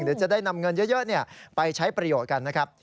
เดี๋ยวจะได้นำเงินเยอะไปใช้ประโยชน์กันนะครับ